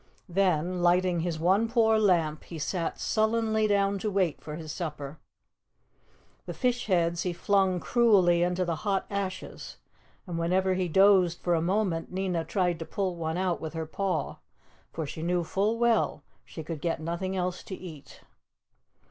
Then, lighting his one poor lamp, he sat sullenly down to wait for his supper. The fish heads he flung cruelly into the hot ashes, and whenever he dozed for a moment Nina tried to pull one out with her paw, for she knew full well she could get nothing else to eat.